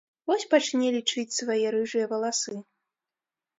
Вось пачне лічыць свае рыжыя валасы.